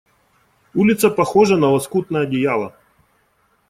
Улица похожа на лоскутное одеяло.